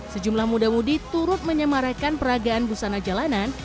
sejumlah muda mudi turut menyemarakan peragaan busana jalanan